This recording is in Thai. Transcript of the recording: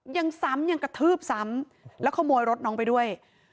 ยังซ้ำยังกระทืบซ้ำแล้วขโมยรถน้องไปด้วย